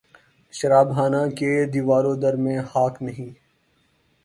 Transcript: شراب خانہ کے دیوار و در میں خاک نہیں